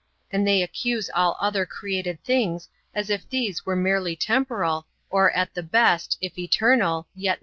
And they accuse all other created things as if these were merely temporal, or [at the best], if eternal,^ yet material.